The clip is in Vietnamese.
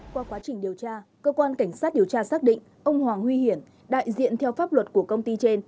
qua quá trình điều tra cơ quan cảnh sát điều tra xác định ông hoàng huy hiển đại diện theo pháp luật của công ty trên